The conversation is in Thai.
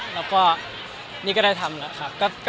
แล้วก็นี่ก็ได้ทำแล้วครับ